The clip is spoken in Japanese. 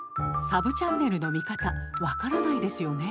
サブチャンネルの見方分からないですよね？